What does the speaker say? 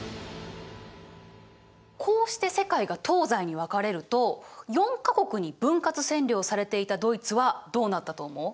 こうして世界が東西に分かれると４か国に分割占領されていたドイツはどうなったと思う？